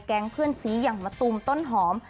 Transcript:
แก๊งเพื่อนซี้อย่างมาตูมต้นหอม